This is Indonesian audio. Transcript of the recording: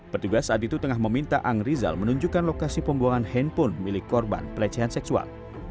petugas saat itu tengah meminta ang rizal menunjukkan lokasi pembuangan handphone milik korban pelecehan seksual